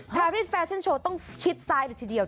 แฟฟรีดแฟชั่นโชว์ต้องคิดซ้ายเดี๋ยว